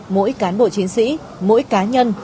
mỗi cán bộ chiến sĩ mỗi cá nhân